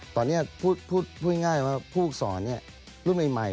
ตอนนี้พูดง่ายว่าผู้สอนรุ่นใหม่